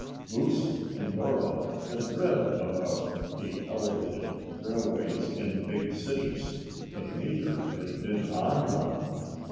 Lucy and Dora had read about the elevated railways in big cities, but neither had been on one.